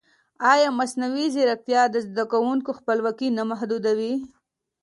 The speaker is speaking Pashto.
ایا مصنوعي ځیرکتیا د زده کوونکي خپلواکي نه محدودوي؟